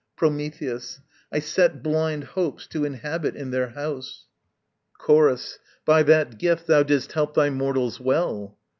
Prometheus. I set blind Hopes to inhabit in their house. Chorus. By that gift thou didst help thy mortals well.